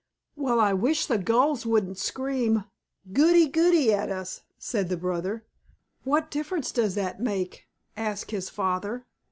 "Well, I wish the Gulls wouldn't scream, 'Goody goody' at us," said the brother. "What difference does that make?" asked his father.